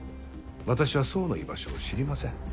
私は蒼の居場所を知りません。